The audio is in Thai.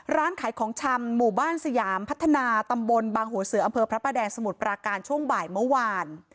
ร้านขายของชำหมู่บ้านสยามพัฒนาตำบลบางหัวเสืออำเภอพระประแดงสมุทรปราการช่วงบ่ายเมื่อวาน